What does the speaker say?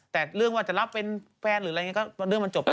แต่เรื่องว่าจะรับเป็นแฟนหรืออะไรอย่างนี้ก็เรื่องมันจบไป